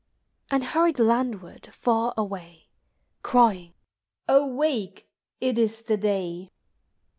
And hurried landward far away. Crying, kk Awake! it is the day!